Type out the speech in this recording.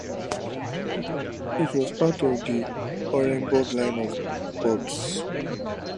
It was part of the Orenburg Line of forts.